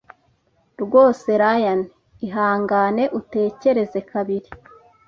Rwose Ryan ihangane utekereze kabiri….”